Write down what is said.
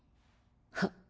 はっ。